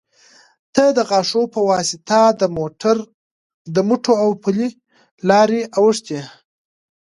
ته د غاښو يه واسطه د موټو او پلې لارې اوښتي